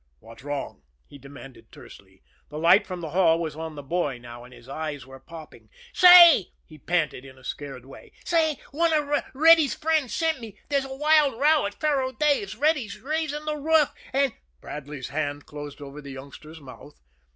"What's wrong?" he demanded tersely. The light from the hall was on the boy now and his eyes were popping. "Say," he panted, in a scared way, "say, one of Reddy's friends sent me. There's a wild row on at Faro Dave's. Reddy's raisin' the roof, an' " Bradley's hand closed over the youngster's mouth.